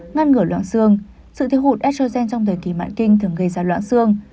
ngăn ngửa loãng xương sự thiếu hụt estrogen trong thời kỳ mạn kinh thường gây ra loãng xương